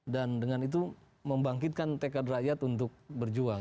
dan dengan itu membangkitkan tekad rakyat untuk berjuang